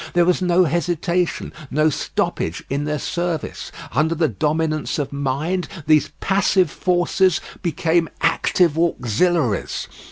There was no hesitation, no stoppage in their service; under the dominance of mind these passive forces became active auxiliaries.